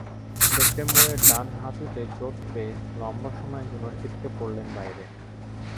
সেপ্টেম্বরে ডান হাঁটুতে চোট পেয়ে লম্বা সময়ের জন্য ছিটকে পড়লেন বাইরে।